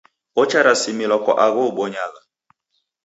Ocharasimilwa kwa agho ubonyagha.